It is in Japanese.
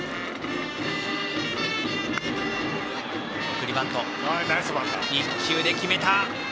送りバント、１球で決めた。